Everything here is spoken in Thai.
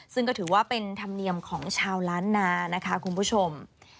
ซึ่งก็ถือว่าเป็นธรรมเนียมของชาวล้านนานะคะคุณผู้ชม